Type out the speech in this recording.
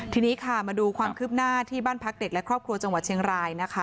ทีนี้ค่ะมาดูความคืบหน้าที่บ้านพักเด็กและครอบครัวจังหวัดเชียงรายนะคะ